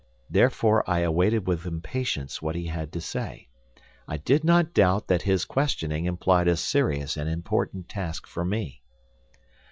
Therefore I awaited with impatience what he had to say. I did not doubt that his questioning implied a serious and important task for me.